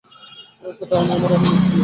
ওনার সাথে আমার অনেক মিল।